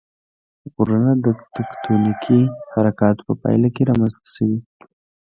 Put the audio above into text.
غرونه د تکتونیکي حرکاتو په پایله کې رامنځته شوي.